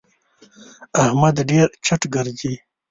احمد ډېر چټ ګرځي.